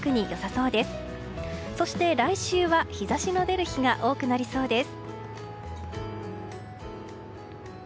そして来週は日差しの出る日が多くなりそうです。